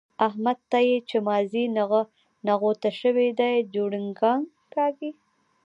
احمد ته چې مازي نغوته شوي؛ دی جوړنګان کاږي.